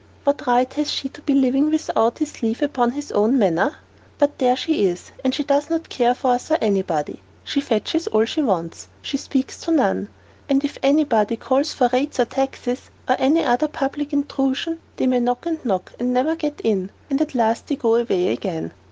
What right has she to be living without his leave upon his own manor? But there she is, and she does not care for us or any body. She fetches all she wants, she speaks to none, and if any body calls for rates or taxes, or any other public intrusion, they may knock and knock, but never get in, and at last they go away again."